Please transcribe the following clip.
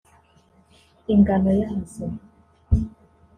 Ingano yazo